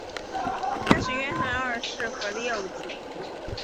他是约翰二世和的幼子。